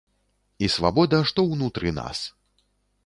І свабода, што ўнутры нас.